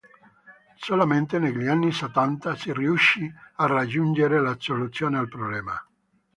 Solamente negli anni settanta si riuscì a raggiungere la soluzione al problema.